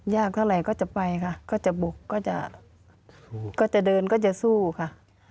ยากเท่าไหร่ก็จะไปค่ะก็จะบุกก็จะก็จะเดินก็จะสู้ค่ะ